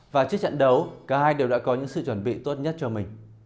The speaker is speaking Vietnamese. và trước trận đấu cả hai đều đã có những sự chuẩn bị tốt nhất cho mình